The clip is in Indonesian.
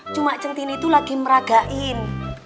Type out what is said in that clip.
cuma centine itu lagi meragain